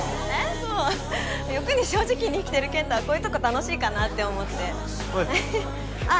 そう欲に正直に生きてる健太はこういうとこ楽しいかなって思ってほいあっ